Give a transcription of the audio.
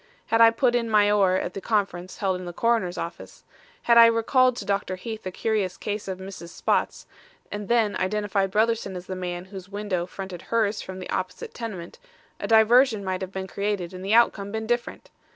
Had I put in my oar at the conference held in the coroner's office; had I recalled to Dr. Heath the curious case of Mrs. Spotts, and then identified Brotherson as the man whose window fronted hers from the opposite tenement, a diversion might have been created and the outcome been different.